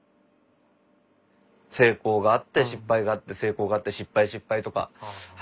成功があって失敗があって成功があって失敗失敗とか。